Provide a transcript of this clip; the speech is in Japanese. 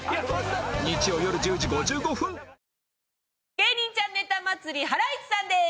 『芸人ちゃんネタ祭り』ハライチさんです。